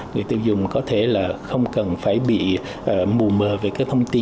người tiêu dùng có thể là không cần phải bị mù mờ về các thông tin